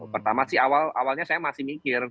pertama sih awalnya saya masih mikir